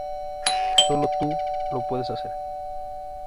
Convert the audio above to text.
Solo tú lo puedes hacer.